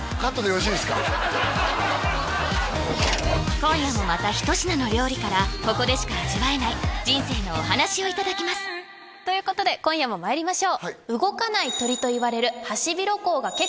今夜もまた一品の料理からここでしか味わえない人生のお話をいただきますということで今夜もまいりましょうああ